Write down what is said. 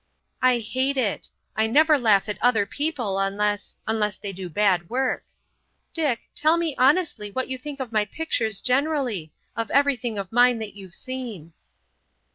"I hate it. I never laugh at other people unless—unless they do bad work. Dick, tell me honestly what you think of my pictures generally,—of everything of mine that you've seen."